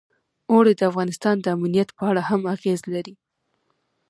اوړي د افغانستان د امنیت په اړه هم اغېز لري.